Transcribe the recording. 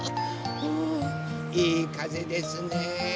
ふいいかぜですね。